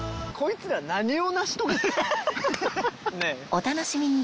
お楽しみに！